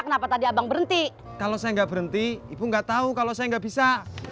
kenapa tadi abang berhenti kalau saya nggak berhenti ibu nggak tahu kalau saya nggak bisa